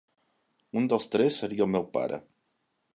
Un dels tres seria el meu pare.